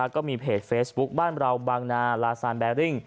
ก็มีเพจเฟซบุ๊คบ้านเราบางนาลาซานแบริ่ง